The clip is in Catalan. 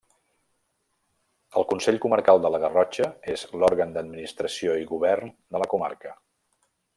El Consell Comarcal de la Garrotxa és l'òrgan d'administració i govern de la comarca.